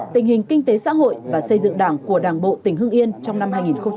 tình hình kinh tế xã hội và xây dựng đảng của đảng bộ tỉnh hưng yên trong năm hai nghìn một mươi chín